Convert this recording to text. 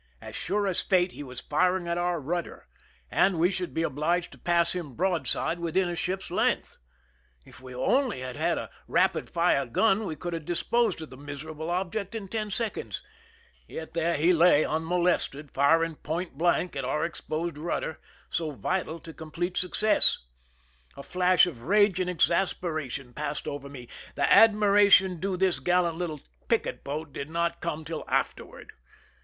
As sure as fate he was firing at our rudder, and we should be obliged to pass him broadside within a ship's length ! If we only had had a rapid fire gun we could have disposed of the miserable object in ten seconds ; yet there he lay unmolested, firing point blank at our ex posed rudder, so vital to complete success. A flash of rage and exasperation passed over me. The ad miration due this gallant little picket boat did not come till afterward.